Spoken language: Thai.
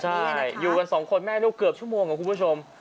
ใช่อยู่กันสองคนแม่ลูกเกือบชั่วโมงครับคุณผู้ชม